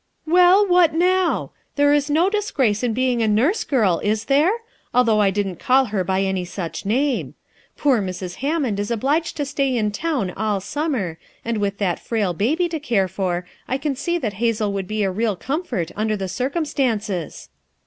"Well, what now? There is no disgrace in being a nurse girl is there? although I didn't call her by any such name. Poor Mrs. Ham mond is obliged to stay in town all summer, and with that frail baby to care for I can see that Hazel would be a real comfort, under the circumstances."